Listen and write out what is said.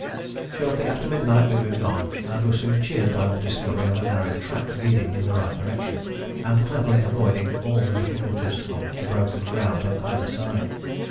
Shortly after midnight we moved on, and were soon cheered by the discovery of a narrow track leading in the right direction, and cleverly avoiding all the difficulties of the broken ground on either side.